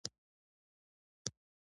هېواد ته فابریکې پکار دي